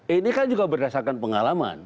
ini kan juga berdasarkan pengalaman